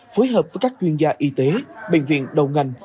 phối hợp với các chuyên gia y tế bệnh viện đầu ngành